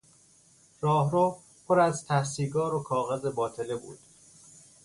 راهرو پر از ته سیگار و کاغذ باطله بود.